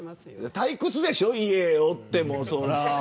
退屈でしょ家おっても。